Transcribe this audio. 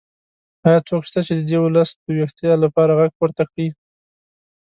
ایا څوک شته چې د دې ولس د ویښتیا لپاره غږ پورته کړي؟